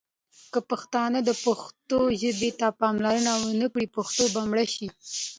که پښتانه پښتو ژبې ته پاملرنه ونه کړي ، پښتو به مړه شي.